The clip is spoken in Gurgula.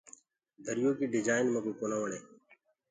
دريو ڪيٚ ڊجآئين ميڪوُ ڪونآ وڻي۔